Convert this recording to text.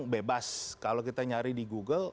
bebas kalau kita nyari di google